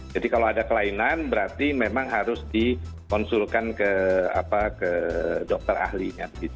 jadi kalau ada kelainan berarti memang harus dikonsulkan ke dokter ahlinya